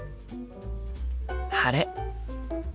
晴れ。